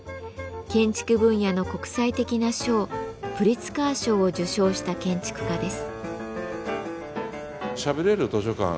建築分野の国際的な賞プリツカー賞を受賞した建築家です。